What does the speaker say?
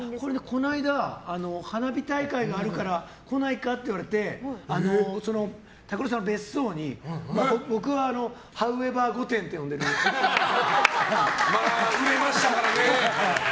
この間、花火大会があるから来ないか？って言われてＴＡＫＵＲＯさんの別荘に僕はハウエバー御殿ってまあ、売れましたからね。